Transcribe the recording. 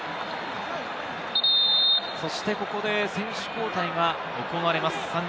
そしてここで選手交代が行われます。